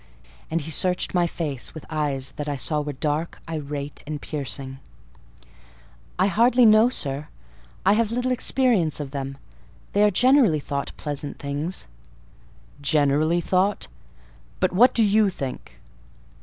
and he searched my face with eyes that I saw were dark, irate, and piercing. "I hardly know, sir; I have little experience of them: they are generally thought pleasant things." "Generally thought? But what do you think?"